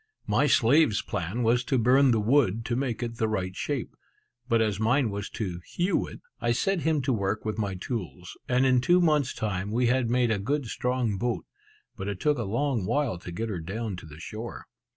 My slave's plan was to burn the wood to make it the right shape; but as mine was to hew it, I set him to work with my tools; and in two months' time we had made a good strong boat; but it took a long while to get her down to the shore.